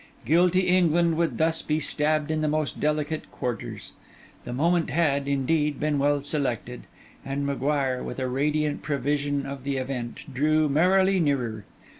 Guilty England would thus be stabbed in the most delicate quarters; the moment had, indeed, been well selected; and M'Guire, with a radiant provision of the event, drew merrily nearer.